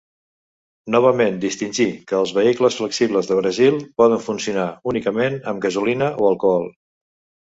Novament distingir que els vehicles flexibles de Brasil poden funcionar únicament amb gasolina o alcohol.